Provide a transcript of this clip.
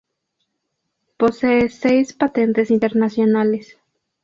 Posee seis patentes internacionales.